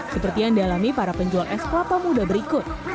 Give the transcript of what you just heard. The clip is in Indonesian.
seperti yang dialami para penjual es kelapa muda berikut